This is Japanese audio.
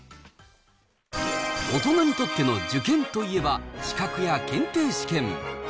大人にとっての受験といえば、資格や検定試験。